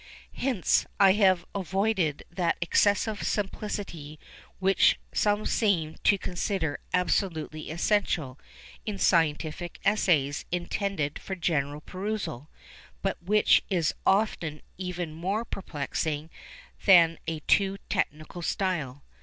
Hence I have avoided that excessive simplicity which some seem to consider absolutely essential in scientific essays intended for general perusal, but which is often even more perplexing than a too technical style.